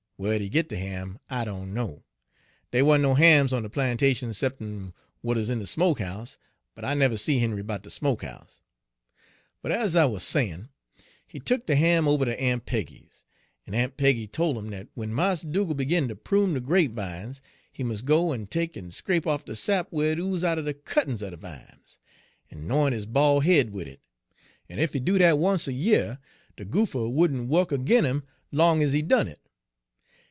Whar'd he git de ham? I doan know; dey wa'n't no hams on de plantation 'cep'n' w'at 'uz in de smoke house, but I never see Henry 'bout de smoke house. But ez I wuz a sayin', he tuk de ham ober ter Aun' Peggy's; en Aun' Peggy tole 'im dat w'en Mars Dugal' begin ter prune de grapevimes, he mus' go en take 'n scrape off de sap whar it ooze out'n de cut een's er de vimes, en 'n'int his ball head wid it; en ef he do dat once't a year de goopher wouldn' wuk agin 'im long ez he done it.